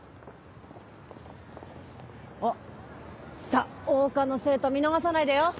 あっさぁ桜花の生徒見逃さないでよ！